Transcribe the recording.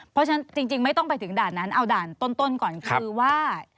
เพราะฉะนั้นจริงไม่ต้องไปถึงด่านนั้นเอาด่านต้นก่อนคือว่า